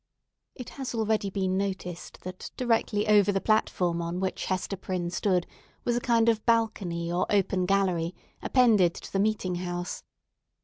It has already been noticed that directly over the platform on which Hester Prynne stood was a kind of balcony, or open gallery, appended to the meeting house.